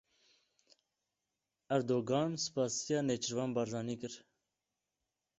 Erdogan spasiya Nêçîrvan Barzanî kir.